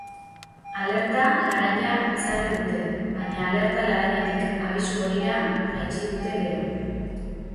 Alerta laranja ezarri dute, baina alerta laranjatik abisu horira jaitsi dute gero.